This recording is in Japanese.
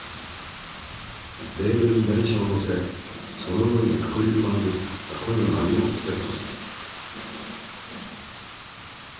レールに台車をのせその上にアクリル板で作った声の波をセットする。